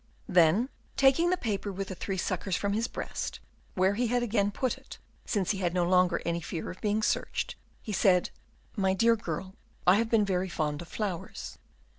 Then, taking the paper with the three suckers from his breast, where he had again put it, since he had no longer any fear of being searched, he said: "My dear girl, I have been very fond of flowers.